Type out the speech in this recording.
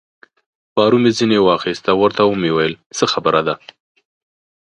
پارو مې ځینې واخیست او ورته مې وویل: څه خبره ده؟